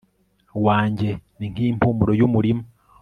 wanjye ni nk impumuro y umurima